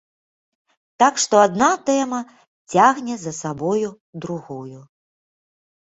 Так што адна тэма цягне за сабою другую.